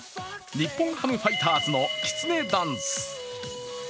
日本ハムファイターズのきつねダンス。